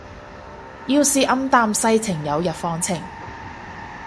要是暗淡世情有日放晴